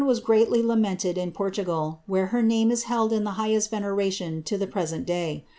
was greatly lamented in Portugal, where her name is held It veneration to the present day.